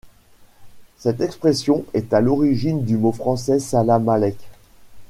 Cette expression est à l'origine du mot français salamalec.